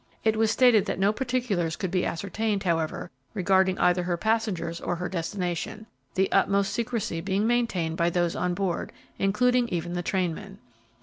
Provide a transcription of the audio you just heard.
It was stated that no particulars could be ascertained, however, regarding either her passengers or her destination, the utmost secrecy being maintained by those on board, including even the trainmen.